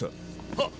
はっ！